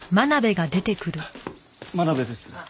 真鍋です。